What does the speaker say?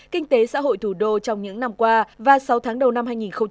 kinh tế xã hội thủ đô trong những năm qua và sáu tháng đầu năm hai nghìn hai mươi